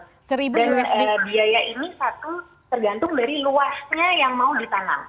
dan biaya ini satu tergantung dari luasnya yang mau ditanam